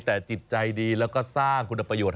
แต่จิตใจดีแล้วก็สร้างคุณประโยชน